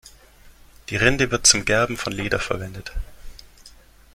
Die Rinde wird zum Gerben von Leder verwendet.